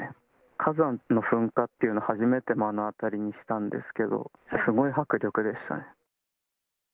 火山の噴火っていうのは、初めて目の当たりにしたんですけど、すごい迫力でしたね。